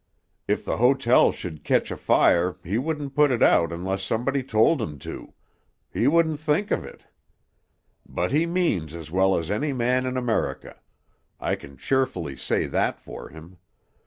If the hotel should ketch afire he wouldn't put it out unless somebody told him to; he wouldn't think of it. But he means as well as any man in America; I can cheerfully say that for him.